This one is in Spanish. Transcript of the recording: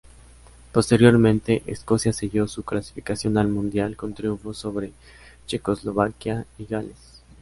Posteriormente, Escocia selló su clasificación al Mundial con triunfos sobre Checoslovaquia y Gales.